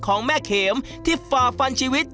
ของแม่เข็มที่ฝ่าฟันชีวิต